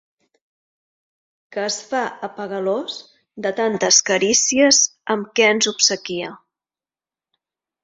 Que es fa apegalós de tantes carícies amb què ens obsequia.